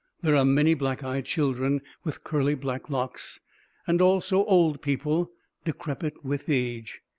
There are many black eyed children, with curly black locks, and also old people, decrepit with age.